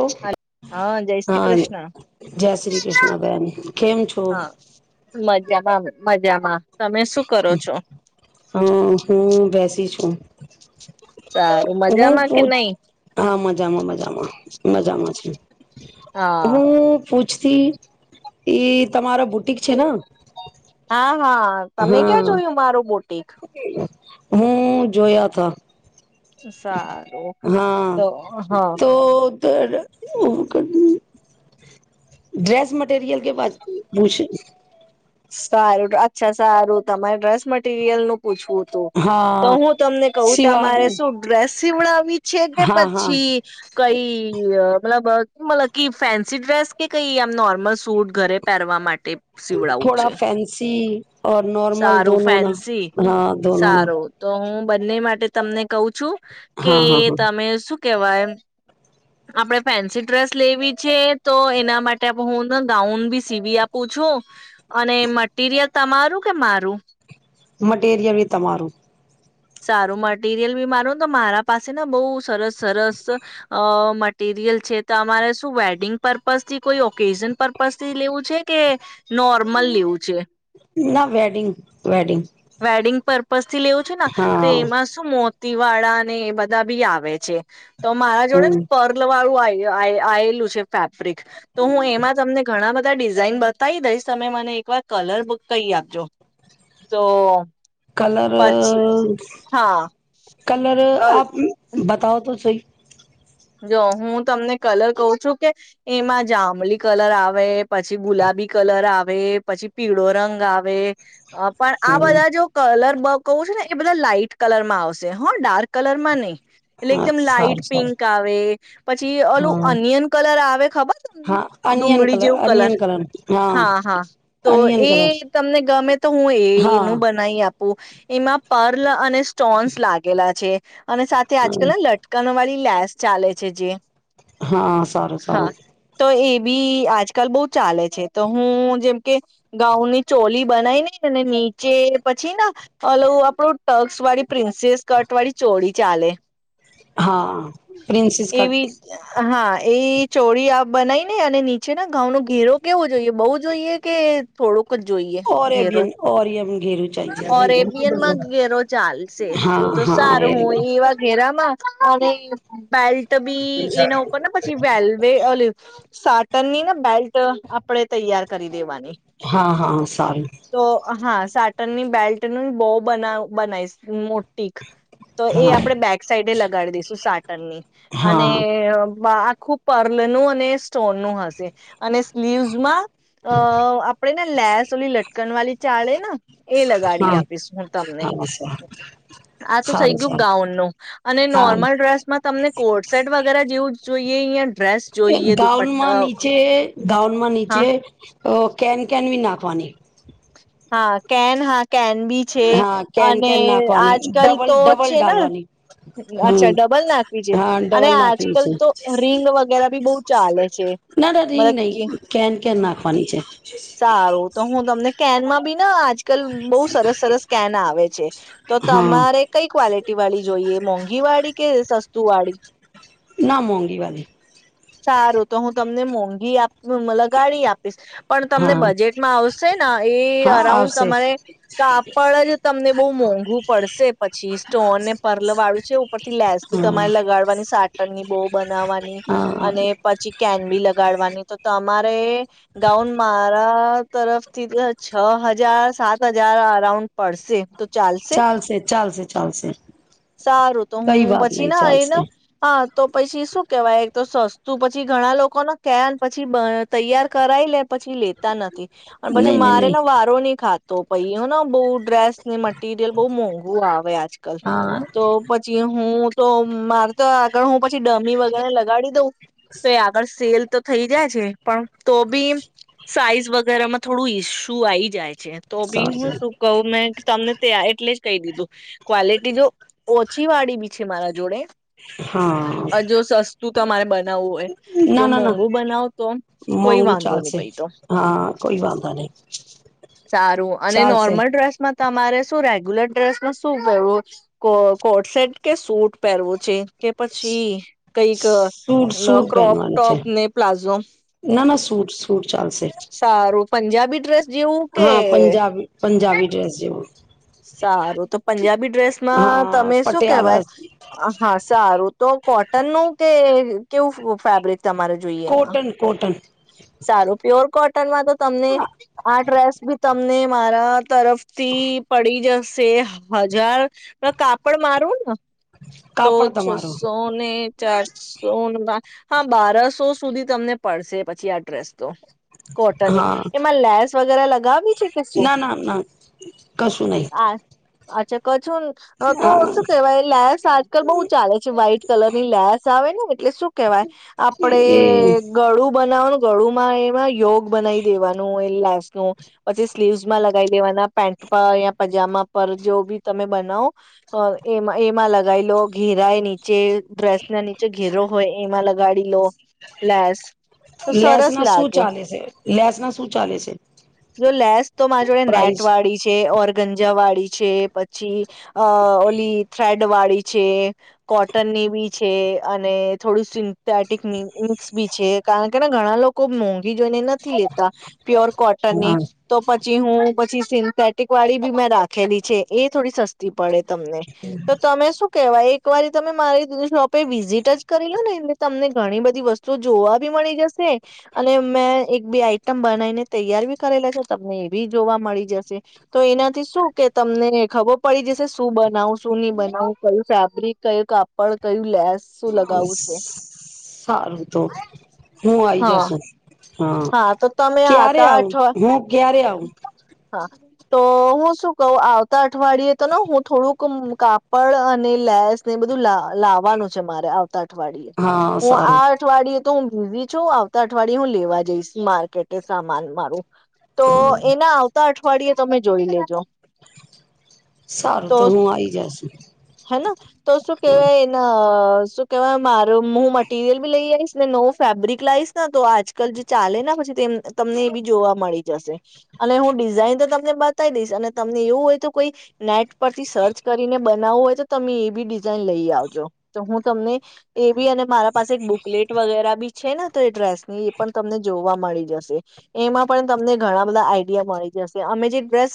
એજ, હા જય શ્રી હાં કૃષ્ણ. જે શ્રી ક્રષ્ણ બેન, કેમ છો? હા મજામાં મજામાં. તમે શું કરો છો હા, હું બેસી છું. સારું હું મજામાં કે પૂછ, નહી હા મજામાં મજામાં. મજામાં છીએ. હા હું પૂછતી એ તમારા બુટિક છે ન? હા હા તમે ક્યાં જોયું મારું બુટિક? હું જોયા થ. સારું તો હા. તો ડ્રેસ મટીરિયલ કે પૂછ સારું અચ્છા સારું તમારે ડ્રેસ મટીરિયલ નું પૂછવું તુ હા તો હું તમને કહું સિવા તમાંરે શું ડ્રેસ સીવડાવી. છે કે હા હા પછી કઈ મતલબ, મતલબ ફેન્સી ડ્રેસ કે કઈ આમ નોર્મલ સૂટ ઘરે પહેરવા માટે, સીવડાવું થોડા છે ફેન્સી પી નોર્મલ સારું દોનો ના ફેન્સી હા દોનો ના. સારું તો હું બંને માટે તમને કવ‌ છું. કે હા હા હા તમે શું? કેવાય આપડે ફેન્સી ડ્રેસ લેવી છે, તો એના માટે આપણે હુંને ગાઉન બી સીવી આપું છું. અને મટીરિયલ તમારું. કે મારું? મટીરિયલ બી તમારું. સારું મટીરિયલ બી મારુંને, તો મારા પાસે ને બઉ સરસ સરસ અ મટીરિયલ છે, તો તમારે શું વેડિંગ પર્પઝ થી કોઈ ઓકેઝન પર્પઝ થી લેવું છે કે નોર્મલ લેવું છે? ના વેડિંગ વેડિંગ હા. તે એમાં શું મોત તિવાડા ને એ બધા બી આવે છે. તો મારાં જોડે ને હમ પર્લ વાળું આય આ આયેલુ છે ફેબ બ્રિકતો હું એમાં તમને ઘણાં બધાં બધાં ડિઝાઇન બતાવી દઈશ તમે મને એક વાર કલર કહી આપજો તો કલર પછી હા કલર કલ આપ બતાઓ તો સહી જો હું તમને કલર કહું છું કે એમાં જાંમલી કલર આવે પછી ગુલાબી કલર આવે પછી પીળો રંગ આવે. હ પણ આ હમ બધા જો કલર બ કહું છે ને એ બધા લાાઈટ કલર માં આવશે હો, ડાર્ક કલર માં નહી. એટલે હા એકદમ લાાઈટ સારું સારું પિંક ક આવે પછી ઓલું હા ઓનિયન કલર આવે હવે ખબર. ડુંગળી જેવું કલર. હા, હા. તો અનિયન એ કલર તમને ગમે તો હું હા એનું બનાવી આપું. ઉ એમાં પર્લ અને સૂ સ્ટોન્સ લાગેલા છે. અને સાથે આજકાલને લટકણો વાળી [unintelligible] ચાલે છે જે હા, સારું. હા સારું. તો એ બી આજકાલ બહુ ચાલે છે તો હું જેમ કે ગાઉનની ચોલી બનાઈને ને નીચે પછી ના ઓલું આપડું ટક્સ વાળી પ્રિન્સેસ કટ વાળી ચોળી ચાલે હા. પ્રિન્સીસ એવી કટ [unintelligible] હા એ ચોડી આપ બનાવી ને અને નીચે ના ગાઉન નો ઘેરો કેવો જોઈએ? બહુ જોઈએ કે થોડુંક ક જ જોઈએ ઘેરો? ઓરેબિયન ઓરિયમ ઘેરું ઓરેબિયલમાં ચાલજે જ ઘેરો ચાલશે હા તો હા એ સારું હું એવા ઘેરામાં અને બેલ્ટ બી એના ઉપર ને પછી વેલવે ઓલું સાટન ની ન બેલ્ટ આપણે તૈયાર કરી. લેવાની, હા હા સારું તો હા સાટ ટન ની બેલ્ટ ની બો બના-બનાઈશ મોટી ક તો એ હા આપડે બેક સાઈડે લગાડી દઈશું સાટ ની હા અનેઅઅ આખું પર્લ નું અને સ્ટોન નું હશે અને સ્લીવસમાં અઅ આપણેે ને લેસ ઓલી લટકણ વાળી ચાળે ન એ લગાડી હા આપીશ હું તમને, હા સા આ તો થઈ સારું ગયું સારું ગાઉન નું અને હા નોર્મલ ડ્રેસ માં તમને કોડસેટ વગેરે જેવું તો [unintelligible] એ ગાઉન માં નીચે ગાઉન માં હા નીચે ઓહ કેન કેન વી નાખવાની. હા કેન હા કેન બી છે હા કેન અને કેન નાખવાની આજ કલ ડબલ તો ડબલ છે ના ડાલવાની હમ અચ્છા ડબલ નાખવી છે હા અને ડબલ આજ નાખવી કલ છે તો રિંગ વગેરા બી બહુ ચાલે છે. ના ના રીંગ નહી [unintelligible] કેન કેન નાખવાની છે સારું તો હું તમને કેનમાં બી ના જ કલ બહું સરસ સરસ કેન આવે છે તો હા તમારે કંઈ ક્વોલિટીવાળી જોઈએ? મોંઘીવાળી કે સસ્તુંવાળી? ના મોંઘીવાળી. સારું તો હું તમને મોંઘી આપ લગાડી આપીશ. પણ તમને હા બજેટમાં આવશે ના એ હા અરાઉન્ડ આવશે તમારે કાપડ જ તમને બહુ મોંઘું પડશે પછી સ્ટોનને પર્લ વાળું છે ઉપરથી લેસ બી હા તમારે લગાડવાની સાટનની બહુ બનાવવાની હા અને પછી કેન બી લગાડવાની. તો તમારે ગાઉન મારા તરફથી તો છ હજાર સાત હજાર અરાઉન્ડ પડશે તો. ચાલશે ચાલશે. ચાલશે. સારું તો કઈ હું વાત પછી નહી ના ચાલશે એના હા તો પસી શું કેવાય એક તો સસ્તું પછી ઘણા લોકોને કેન પછી બ તૈયાર કરાય લે પછી લેતા નથી. અને પછી નહી નહી મારે નહી ના વારો નહી ખાત. તો પહ્યો ના બહુ ડ્રેસ ની મટ મટિરિયલ બહુ મોંઘુ આવે આજકાલ. હા તો પછી હું તો મારે તો આગળ હું પછી ડમી વગેરા લગાડી દઉં. તો એ આગળ સેલ તો થઈ જાય છે પણ તો બી સાઈઝ વગેરે માં થોડું ઈસ્યુ આઈ જાય. છે તો બી હું સારું શું કહું મેં તમને તે આ એ એટલે જ કહી દીધું ક્વોલિટી તો ઓછીવાળી બી છે મારા જોડે. હા જો સસ્તું તમારે બનાવવું હોય જો ના ના ના મોંઘું બનાવ તો કોઈ મોંઘું વાંધો નહીં ચાલશે પહી તો. હા કોઈ વાંધો નહી સારું અને ચાલશે નોર્મલ ડ્રેસ માં તમારે શું રેગ્યુલર ડ્રેસ ન શું કરવું છ? કો કોટ સેટ કે સૂટ પહેરવું છે? કે પછી કંઈક અહ સૂટ સૂટ ક્રોપ પહેનવાનું છે ટોપ ને પ્લાઝો ના ના સૂટ સૂટ ચાલશે સારું? પંજાબી ડ્રેસ જેવું કે હા પંજાબી પંજાબી ડ્રેસ જેવો સારું તો પંજાબી ડ્રેસમાં હા તમે શું કેહેવાય? પટિયાલા હા સારું તો કોટનનુ કે કેવું ફેબ્રિક તમારે જોઈએ એમાં કોટન કોટન સારું પ પ્યોર કોટનમાં તો તમને આ ડ્રેસ બી તમને મારા તરફથી પડી જશે. સે હજાર ત કાપડ મારું ને તો કાપડ તમારું છસો ને ચારસો ન હા બારસો સુધી તમને પડશે. પછી આ ડ્રેસ તો કોટનની હા એમાં લેસ વગેરે લગાવવી છે. કે શું ના ના ના કશું નહી આ અચ્છા ક [unintelligible] તો હા શું કેહેવાય લેસ આજકાલ બહુ ચાલે છે. વ્હાઈટ કલર ની લેસ આવે ને એટલે શું કેવાય? આપડે એ ગળું બનાવાનું ગળુંમાં એમાં યોગ બનાવી દેવાનું એ લેસ નું પછી. સ્લીવસ માં લગાય દેવાના પેન્ટ પ યા પજામા પર જો બી તમે બનાવ હ એમાં એમાં લગાવી લો ઘેરાય નીચે ડ્રેસ ના નીચે ઘેરો હોય. એમાં લગ ગાડી લો લેસ તો લેસ સરસ ના શું લાગે ચાલે છે લેસ ના શું ચાલે છે. લેસ તો મા રા જોડે પ્રાઇસ નેટ વાળી છે. ઓર ગંજા વાળી છે. પછી અ ઓલી થ્રેડ વાળી છે, કોટનની બી છે અને થોડું સિન્થેટિક મિક્સ બી છે. કારણ કે ઘણા લોકો મોંઘી જોઈને નથી લેતા. પ્યોર કોટન ની હા તો પત છી હું પછી સિન્થેટિક વાળી બી મેં રાખેલી છે. એ થોડી સસ્તી પડે. તમને તો તમે શું? કહેવાય એક વાર તમે મારી [unintelligible] શોપે વિઝિટ જ કરી લો ને એલે તમને ઘણી બધી વસ્તુ જોવા. બી મળી જશે. અને મેં એક બે આઈટમ બનાવીને તૈયાર બી કરેલા છે. તમને એ બી જોવા મળી જશે તો એનાથી શું, કે તમને ખબર પડી જશે શું બનાવું શું નહી બનાવું કયું ફેબ્રિક કયું કાપડ કયું લેસ શું લગાવું છે. સારૂ તો હું આઈ હા જાશુ. હા તો તમે હતા અઠ હું ક્યારે આવું હા તો હું શું કઉ આવતા અઠવાડિયે તો ને હું થોડુંક કાપડ અને લેસ ને બધું લા લાવવાનું છે મારે આવતા અઠ અઠવાડીએ હા હું આ સારું અઠવાડીયએ તો હું બીઝી છું આવતા અઠવાડિય હું લેવા જઈશ માર્કેટે સામાન મારું તો એના આવતા અઠવાડિયે તમે જોઈ લેજો. સારું તો હું આઈ જશ હેના તો શું કેવાય એના અ શું કેવાય મારો હું મૂ મટીરિયલ બી લઈ આઈશ ને નવો ફેબ્રિક લાઇસ ને તો આજકાલ જે ચાલે ના પછી તેમ તમને એ બી જોવા મળી જશે અને હું ડિઝાઇન તો તમને બતાવી દઈશ અને તમને એવું હોય તો કોઈ નેટ પરથી સર્ચ કરીને બનાવવું હોય તો તમે એ બી ડિઝાઇન લઈ આવજો તો હું તમને એ બી અને મારા પાસે એક બુકલેટ વગેરે બી છે ને તો એ ડ્રેસની એ પણ તમને જોવા મળી જશે એમાં પણ તમને ઘણા બધા આઈડિયા મળી જશે અમે જે ડ્રેસ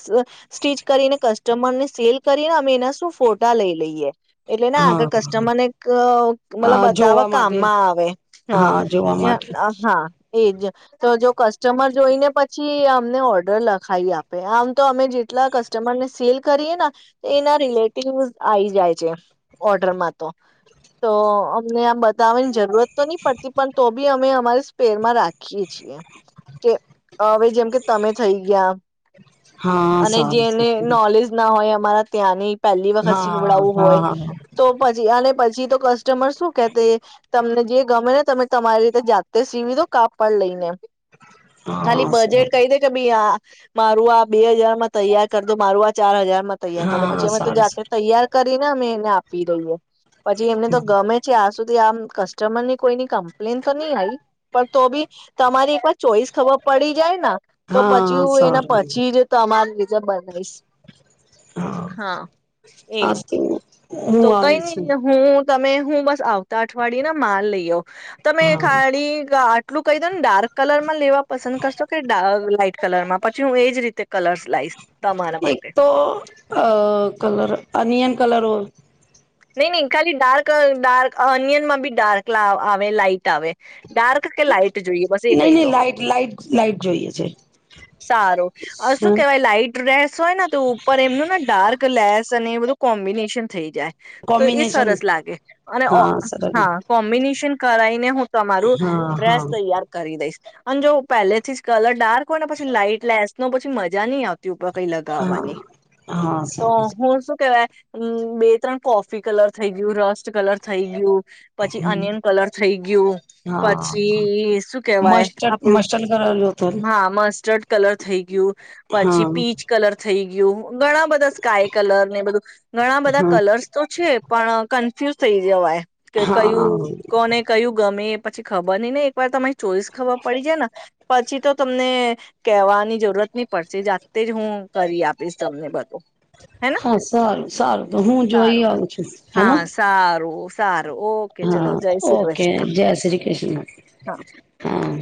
સ્ટીચ કરીને કસ્ટમર ને સેલ કરીને અમે એના શું ફોટા લઈ લઈએ. એટલે ના હા આગળ કસ્ટમરને કવ. મતલબ હા બતાવા જોવા માટે કામમાં આવે હ હા જોવા માટે અહીંયા હા. એજ તો જો કસ્ટમર જોઈને પછી અમને ઓર્ડર લખાવી આપે આમ તો અમે જેટલા કસ્ટમરને સેલ કરીએ ને એના રિલેટિવ આઈ જાય છે ઓર્ડરમાં તો તો અમને આમ બતાવવાની જરૂરત તો ની પડતી પણ તો બી અમે અમારી સ્પેરમાં રાખી [unintelligible] કે હવે જેમ કે તમે થઈ ગયા હા અને સારું જેને સારું નોલેજ ના હોય અમારા ત્યાંની પહેલી વખત હા સીવડાવું હોય, હા તો પછી અને પછી તો કસ્ટમર શું કે તે તમને જે ગમે ને તમે તમારી રીતે જાતે સીવી દો કાપડ લઈને. હા ખાલી હા બજેટ સારું કઈ દે કે ભી આ મારું આ બે હજાર માં તૈયાર કર દો, મારું આ ચાર હજાર માં તૈયાર કર દો, પછી હા અમે તો સારું જાતે સારું તૈયાર કર તે ના અમે એમને આપી દઈએ, પછી એમને તો ગમે છે આ સુધી આમ કસ્ટમર ની કોઈની કમ્પ્લેન તો નહી આઈ પણ તો બી તમારી એક વાર ચોઈસ ખબર પડી જાય ના હા, સારું. તમારી રીતે બનવીશ, હા. આ એજ, તો હું કઈ આવી નહી, છું તો હું તમે હું બસ આવતા અઠવાડિયે ને માલ લઈયો. તમે હા ખાડી ગાઠ એટલું કહી દો ને ડાર્ક કલર માં લેવા પસંદ કરશો કે ડા અહ લાઈટ કલર માં પછી હું એ જ. રીતે કલર્સ લાઈશ. એક તો અ કલર અનિયન કલરો નહીં નહીં ખાલી ડાર્ક ડાર્ક ઓનિયનમાં બી ડાર્ક આવે લાાઈટ આવે ડાર્ક કે લાઈટ? જોઈએ બસ એ નહી કહી નહી દો લાઈટ લાઈટ લાઈટ જોઈએ છે સારું શું કેહેવાય લાઈટ રેસ. સોય ના તું ઉપર એમનું ના ડાર્ક લેસ અને એ બધું કોમ્બિનેશન થઈ જાય. તો એ કોમ્બિનેશન સરસ લાગે અને હા સરસ હા કોમ્બિનેશન કરાઈ ને હું તમારું હા હા ડ્રેસ તૈયાર કરી દઈશ. અને જો પહેલેથી જ કલર ડાર્ક હોય ને પછી લાઈટ લેસ ન પછી મજા નહી આવતી ઉપર, કઈ હા લગાવવાની હા તો સારું હું શું કેવાય હમ બે ત્રણ કોફી કલર થઈ ગયું, રસ્ટ કલર થઈ ગયું. પછી અનિયન કલર થઈ ગયું, હા પછી શું કેવાય મસ્ટર્ડ આપણું મસ્ટર્ડ કરેલું હતું હા મસ્ટર્ડ કલર થઈ ગયું, પછી હા પીચ કલર થઈ યુ ઘણાં બધાં સ્કાય કલર ને બધું ઘણા બધા હા કલર્સ છે પણ કન્ફ્યુઝ થઈ જવાય. કે હા કયું કોને કયું ગમે! પછી ખબર નય ને એકવાર તમે ચોઈસ ખબર‌ પડી જાય ને પછી તો તમને કહેવાની જરૂરત ની પડશે જાતે જ હું કરી આપીશ તમને બધું. હેના હા સારું સારું તો હું જોઈ સારું આવું છું હેને હા સારું. સાર હા ઓકે જય શ્રી કૃષ્ણ હા હાં.